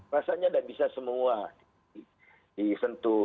rasanya tidak bisa semua disentuh